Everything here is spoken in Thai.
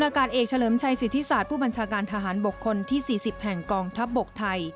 อากาศเอกเฉลิมชัยสิทธิศาสตร์ผู้บัญชาการทหารบกคนที่๔๐แห่งกองทัพบกไทย